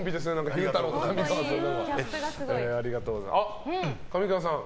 昼太郎と上川さん。